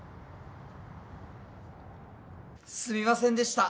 すみませんでした。